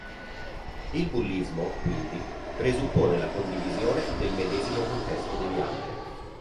Il bullismo, quindi, presuppone la condivisione del medesimo contesto deviante.